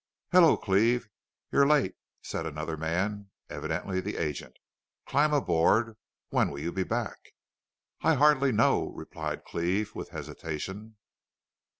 "Hello, Cleve! You're late," said another man, evidently the agent. "Climb aboard. When'll you be back?" "I hardly know," replied Cleve, with hesitation.